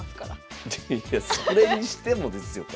いやそれにしてもですよこれ。